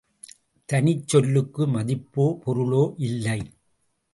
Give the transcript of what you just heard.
தனிச் சொல்லுக்கு மதிப்போ பொருளோ இல்லை.